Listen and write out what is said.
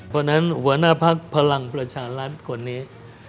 เพราะฉะนั้นหัวหน้าภักดิ์พลังประชารัฐคนนี้